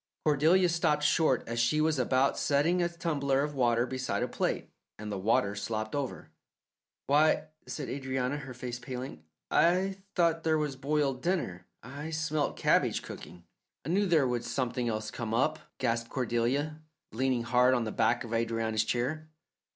Cordelia stopped short as she was about setting a tumbler of water beside a plate, and the water slopped over. "Why," said Adrianna, her face paling, "I thought there was boiled dinner. I smelt cabbage cooking." "I knew there would something else come up," gasped Cordelia, leaning hard on the back of Adrianna's chair.